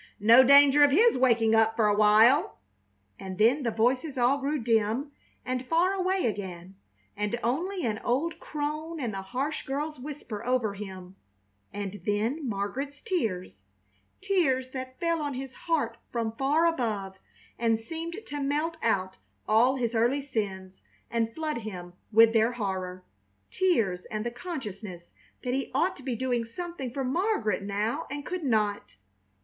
No danger of his waking up for a while!" and then the voices all grew dim and far away again, and only an old crone and the harsh girl's whisper over him; and then Margaret's tears tears that fell on his heart from far above, and seemed to melt out all his early sins and flood him with their horror. Tears and the consciousness that he ought to be doing something for Margaret now and could not.